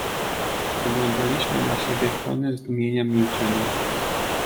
"Spoglądaliśmy na siebie w pełnem zdumienia milczeniu."